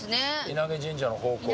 稲毛神社の方向。